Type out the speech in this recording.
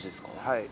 はい。